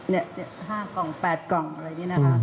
เนี่ย๕กล่อง๘กล่องอะไรอย่างนี้นะคะ